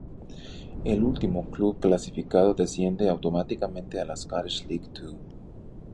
El último club clasificado desciende automáticamente a la Scottish League Two.